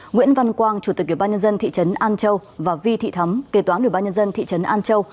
nguyễn văn quang chủ tịch ubnd thị trấn an châu và vi thị thắm kế toán ubnd thị trấn an châu